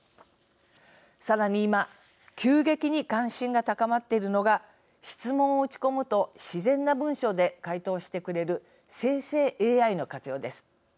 さらに、今急激に関心が高まっているのが質問を打ち込むと自然な文章で回答してくれる生成ＡＩの活用です。